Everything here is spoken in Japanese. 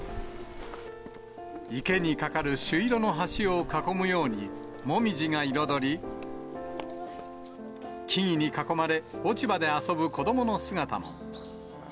池に架かる朱色の橋を囲むように、モミジが彩り、木々に囲まれ、落ち葉で遊ぶ子どもの姿も。